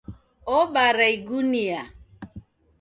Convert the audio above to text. Obara igunia